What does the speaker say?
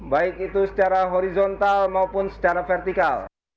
baik itu secara horizontal maupun secara vertikal